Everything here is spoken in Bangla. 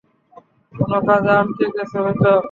কোনও কাজে আটকে গেছে হয়তো।